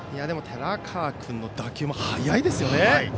寺川君の打球も速いですよね。